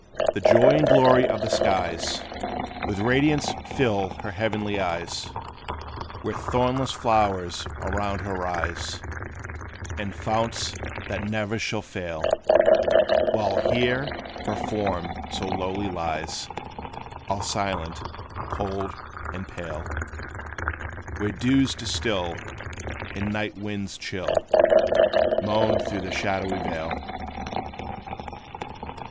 The joy and glory of the skies With radiance fill her heavenly eyes, Where thornless flowers around her rise, And founts that ne'er shall fail; While here her form so lowly lies All silent, cold and pale; Where dews distil, and night winds chill Moan through the shadowy vale.